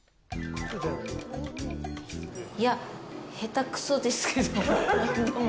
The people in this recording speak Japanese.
いや、下手くそですけど、でも。